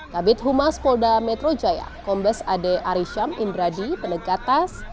kabit humas polda metro jaya kombes ade arisham indradi penegatas